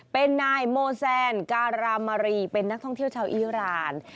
เป็นนายโมแซนการามรีเป็นนักท่องเที่ยวชาวอีราน